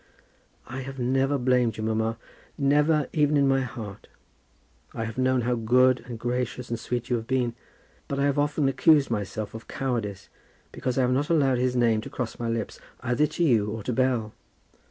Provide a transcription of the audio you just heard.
"I have never blamed you, mamma; never, even in my heart. I have known how good and gracious and sweet you have been. But I have often accused myself of cowardice because I have not allowed his name to cross my lips either to you or to Bell.